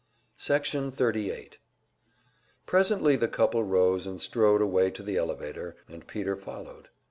Section 38 Presently the couple rose and strolled away to the elevator, and Peter followed.